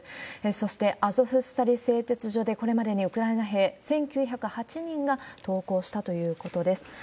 そして、アゾフスタリ製鉄所で、これまでにウクライナ兵、１９０８人が投降したということです。